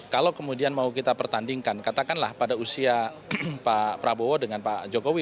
kalau kemudian mau kita pertandingkan katakanlah pada usia pak prabowo dengan pak jokowi